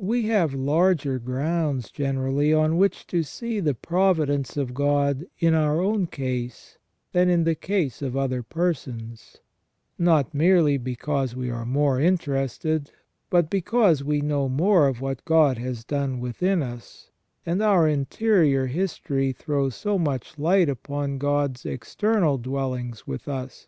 We have larger grounds generally on which to see the provi dence of God in our own case than in the case of other persons, not merely because we are more interested, but because we know more of what God has done within us, and our interior history throws so much light upon God's external dealings with us.